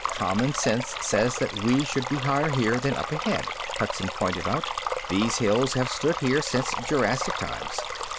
"Common sense says that we should be higher here than up ahead," Hudson pointed out. "These hills have stood here since Jurassic times.